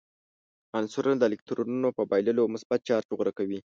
عنصرونه د الکترونونو په بایللو مثبت چارج غوره کوي.